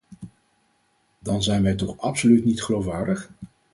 Dan zijn wij toch absoluut niet geloofwaardig?